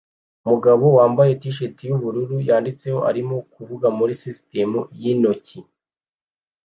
Umugabo wambaye t-shirt yubururu yanditseho arimo kuvuga muri sisitemu y'intoki